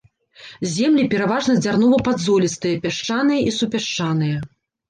Землі пераважна дзярнова-падзолістыя, пясчаныя і супясчаныя.